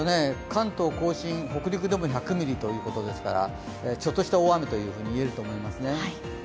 関東甲信、北陸でも１００ミリということですから、ちょっとした大雨と言えると思いますね。